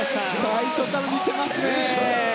最初から見せますね。